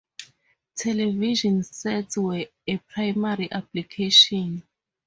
Television sets were a primary application.